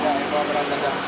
iya yang bawa barang tajam